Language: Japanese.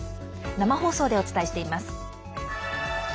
生放送でお伝えしています。